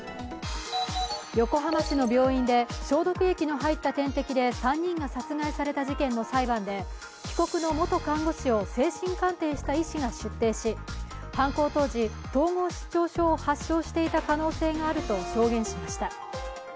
横浜市の病院で消毒液の入った点滴で３人が殺害された事件の裁判で被告の元看護師を精神鑑定した医師が出廷し犯行当時、統合失調症を発症していた可能性があると証言しました。